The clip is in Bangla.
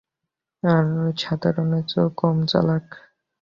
আর সাধারণের চেয়েও কম চালাক।